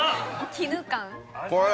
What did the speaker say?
絹感？